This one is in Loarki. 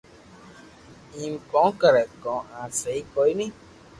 ايم ڪو ڪري ڪو آ سھي ڪوئي ني